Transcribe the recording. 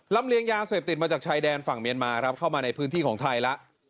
เลียงยาเสพติดมาจากชายแดนฝั่งเมียนมาครับเข้ามาในพื้นที่ของไทยแล้ว